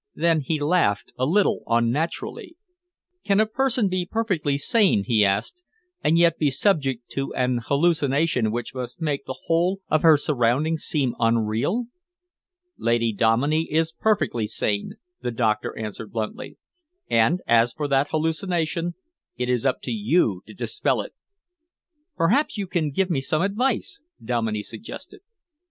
Then he laughed a little unnaturally. "Can a person be perfectly sane," he asked, "and yet be subject to an hallucination which must make the whole of her surroundings seem unreal?" "Lady Dominey is perfectly sane," the doctor answered bluntly, "and as for that hallucination, it is up to you to dispel it." "Perhaps you can give me some advice?" Dominey suggested.